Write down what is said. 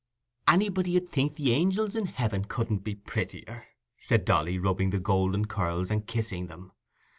"Anybody 'ud think the angils in heaven couldn't be prettier," said Dolly, rubbing the golden curls and kissing them.